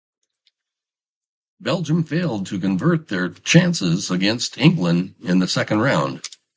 Belgium failed to convert their chances against England in the second round.